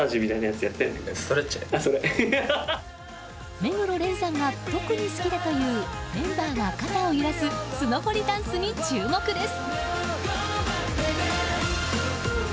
目黒蓮さんが特に好きだというメンバーが肩を揺らすスノホリダンスに注目です。